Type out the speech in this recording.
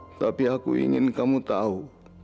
tetapi aku ingin kamu tahu